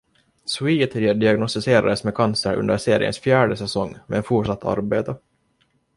Sweet diagnostiserades med cancer under seriens fjärde säsong, men fortsatte arbeta.